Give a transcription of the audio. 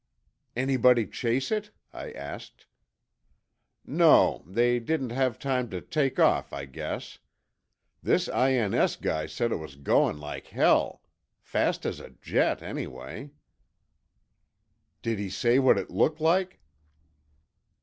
"Anybody chase it?" I asked. "No. They didn't have time to take off, I guess. This I.N.S. guy said it was going like hell. Fast as a jet, anyway." "Did he say what it looked like?"